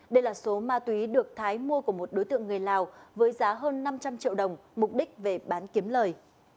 đây là số ma túy được thái mua của một đối tượng người lào với giá hơn năm trăm linh triệu đồng mục đích về bán kiếm lời